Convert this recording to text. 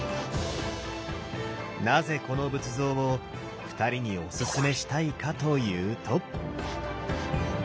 なぜこの仏像を二人にオススメしたいかというと。